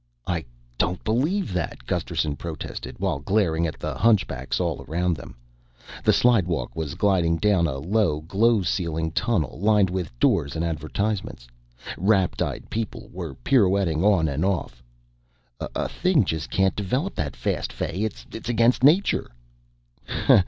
"I don't believe that," Gusterson protested while glaring at the hunchbacks around them. The slidewalk was gliding down a low glow ceiling tunnel lined with doors and advertisements. Rapt eyed people were pirouetting on and off. "A thing just can't develop that fast, Fay. It's against nature."